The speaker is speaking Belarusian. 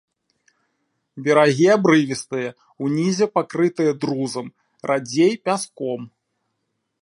Берагі абрывістыя, унізе пакрытыя друзам, радзей пяском.